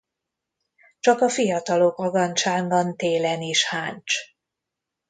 Csak a fiatalok agancsán van télen is háncs.